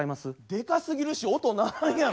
でかすぎるし音鳴らんやろ。